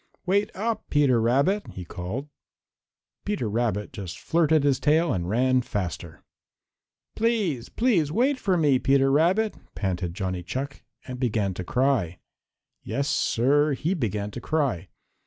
"Wait up, Peter Rabbit!" he called. Peter Rabbit just flirted his tail and ran faster. "Please, please wait for me, Peter Rabbit," panted Johnny Chuck, and began to cry. Yes, Sir, he began to cry.